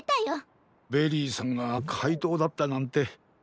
ベリーさんがかいとうだったなんて。